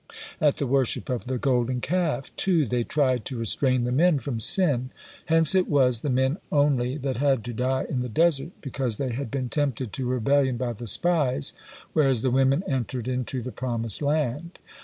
at the worship of the Golden Calf, too, they tried to restrain the men from sin, hence it was the men only that had to die in the desert because they had been tempted to rebellion by the spies, whereas the women entered into the promised land.